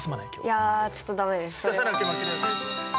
いやちょっと駄目です。